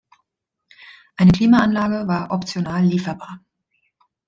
Eine Klimaanlage war optional lieferbar.